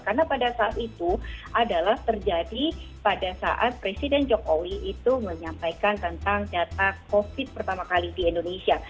karena pada saat itu adalah terjadi pada saat presiden jokowi itu menyampaikan tentang data covid pertama kali di indonesia